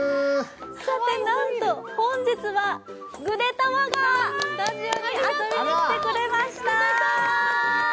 さて、なんと本日はぐでたまがスタジオに遊びにきてくれました。